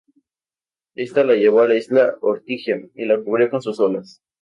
Ésta la llevó a la isla Ortigia y la cubrió con sus olas.